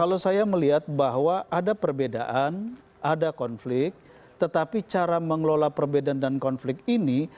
kalau saya melihat bahwa ada perbedaan ada konflik tetapi cara mengelola perbedaan dan konflik ini